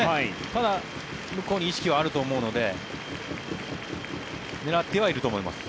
ただ、向こうに意識はあると思うので狙ってはいると思います。